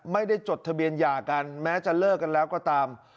จดทะเบียนหย่ากันแม้จะเลิกกันแล้วก็ตาม